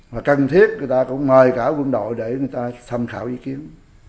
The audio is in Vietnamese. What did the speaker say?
và cần thiết người ta cũng mời cả quân đội để người ta tham khảo ý kiến